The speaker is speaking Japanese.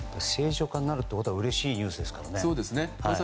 正常化になるってことはうれしいニュースですからね。